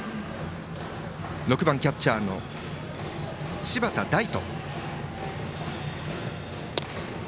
６番キャッチャーの柴田大翔。